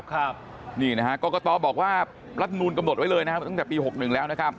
กรกตบอกว่ารัฐธรรมนูลกำหนดไว้เลยตั้งแต่ปี๖๑แล้ว